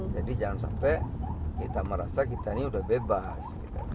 jadi jangan sampai kita merasa kita ini sudah bebas